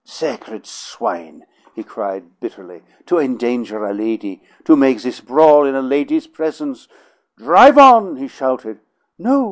"Sacred swine!" he cried bitterly. "To endanger a lady, to make this brawl in a lady's presence! Drive on!" he shouted. "No!"